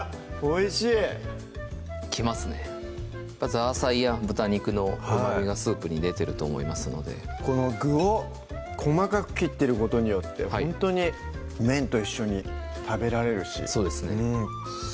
ザーサイや豚肉のうまみがスープに出てると思いますのでこの具を細かく切ってることによってほんとに麺と一緒に食べられるしそうですね